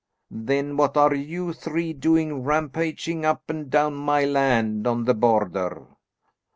Then what are you three doing rampaging up and down my land on the Border?"